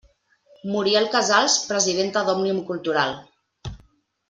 Muriel Casals, presidenta d'Òmnium Cultural.